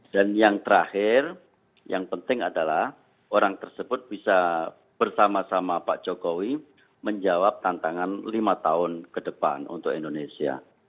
dan yang terakhir yang penting adalah orang tersebut bisa bersama sama pak jokowi menjawab tantangan lima tahun ke depan untuk indonesia